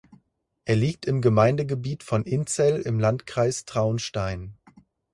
Er liegt im Gemeindegebiet von Inzell im Landkreis Traunstein.